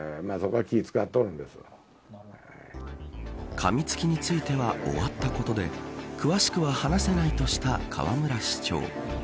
かみつきについては終わったことで詳しくは話せないとした河村市長。